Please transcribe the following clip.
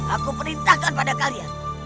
aku perintahkan pada kalian